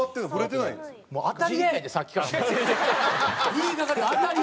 言いがかり！